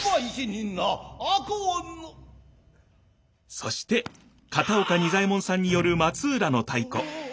そして片岡仁左衛門さんによる「松浦の太鼓」。